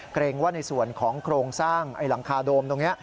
เกรงว่าในส่วนของโครงสร้างหลังคาโดมตรงนี้